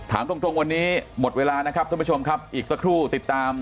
ถามตรงวันนี้หมดเวลานะครับอีกสักครู่ติดตาม